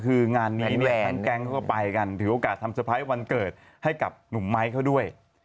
คืองานนี้เนี่ยทั้งแก๊งเขาก็ไปกันถือโอกาสทำเตอร์ไพรส์วันเกิดให้กับหนุ่มไม้เขาด้วย